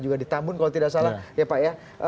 juga di tambun kalau tidak salah ya pak ya